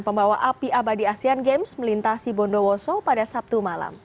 pembawa api abadi asean games melintasi bondowoso pada sabtu malam